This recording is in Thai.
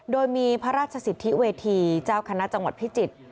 โดยมีพระราชสิทธิเวทีเจ้าคณะจังหวัดพิจิตร